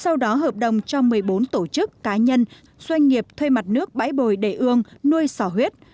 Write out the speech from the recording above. sau đó hợp đồng cho một mươi bốn tổ chức cá nhân doanh nghiệp thuê mặt nước bãi bồi để ương nuôi sỏ huyết